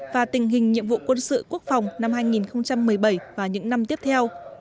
và tình hình nhiệm vụ quân sự quốc phòng năm hai nghìn một mươi bảy và những năm tiếp theo